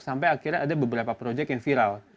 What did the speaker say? sampai akhirnya ada beberapa proyek yang viral